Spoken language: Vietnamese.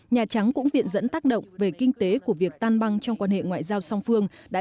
nhà trắng cũng viện dẫn tác động về kinh tế của việc tan băng trong quan hệ ngoại giao song phương